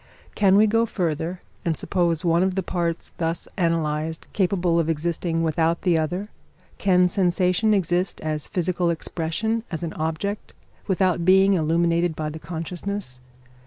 Can we go further, and suppose one of the parts thus analysed capable of existing without the other? Can sensation exist as physical expression, as an object; without being illuminated by the consciousness?